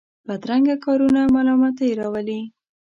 بدرنګه کارونه ملامتۍ راولي